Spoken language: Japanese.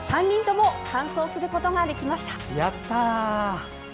３人とも完走することができました。